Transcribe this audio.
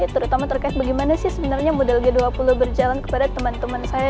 terutama terkait bagaimana sih sebenarnya model g dua puluh berjalan kepada teman teman saya